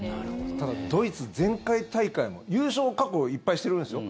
ただ、ドイツ前回大会も優勝を過去いっぱいしてるんですよ。